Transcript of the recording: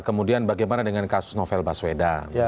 kemudian bagaimana dengan kasus novel baswedan